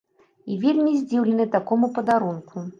І вельмі здзіўлены такому падарунку.